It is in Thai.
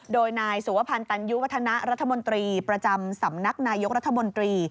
โดยนายสุวพันธ์ตันยุวัฒนะรัฐมนตรีประจำสำนักนายกรัฐมนตรี